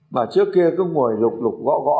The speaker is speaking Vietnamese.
và trước kia cứ ngồi lục lục gõ gõ